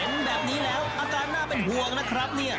เห็นแบบนี้แล้วอาการน่าเป็นห่วงนะครับเนี่ย